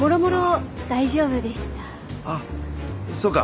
あっそうか。